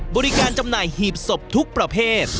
บริการจำหน่ายหยีบศพทุกประเภท